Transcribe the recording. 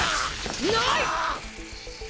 ない！！